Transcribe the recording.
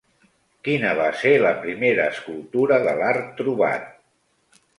Quina va ser la primera escultura de l'art trobat?